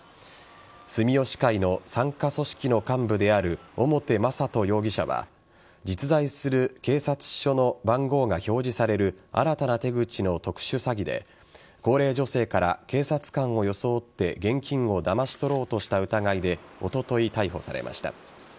住吉会の傘下組織の幹部である表雅人容疑者は実在する警察署の番号が表示される新たな手口の特殊詐欺で高齢女性から警察官を装って現金をだまし取ろうとした疑いでおととい、逮捕されました。